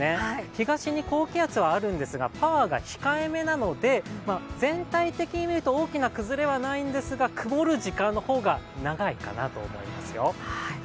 東に高気圧はあるんですがパワーが控えめなので全体的に見ると大きな崩れはないんですが、曇る時間の方が長いと思いますよ。